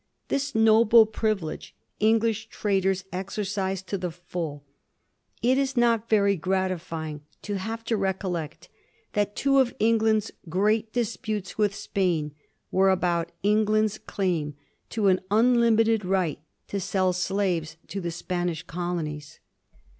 This noble privilege English traders exercised to the full. It is not very gratifying to have to recollect that two of England's great disputes with Spain were about England's claim to an unlimited right to sell slaves to the Spanish colonies.